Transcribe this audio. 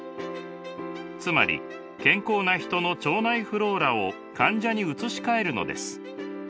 つまり健康なヒトの腸内フローラを患者に移し替えるのです。